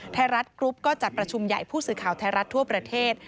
ไทยรัฐกรุ๊ปก็จัดประชุมใหญ่ผู้สื่อข่าวไทยรัฐทั่วประเทศ